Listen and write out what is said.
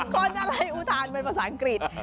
คนอะไรอุทานเป็นภาษาอังกฤษ